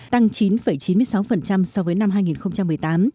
tăng chín chín mươi sáu so với năm hai nghìn một mươi tám